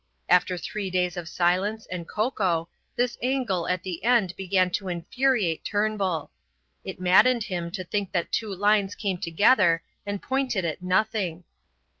After three days of silence and cocoa, this angle at the end began to infuriate Turnbull. It maddened him to think that two lines came together and pointed at nothing.